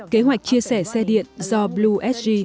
kế hoạch chia sẻ xe điện do bluesg